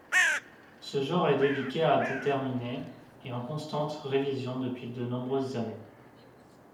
Ce genre est délicat à déterminer et en constante révision depuis de nombreuses années.